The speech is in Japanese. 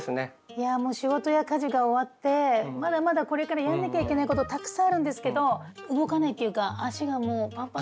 いやもう仕事や家事が終わってまだまだこれからやらなきゃいけないことたくさんあるんですけど動かないっていうか足がもうパンパンで。